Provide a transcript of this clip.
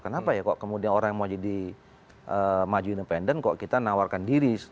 kenapa ya kok kemudian orang yang mau jadi maju independen kok kita nawarkan diri